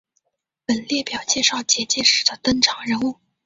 本列表介绍结界师的登场人物。